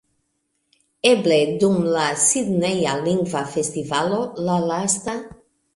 Eble dum la Sidneja Lingva Festivalo, la lasta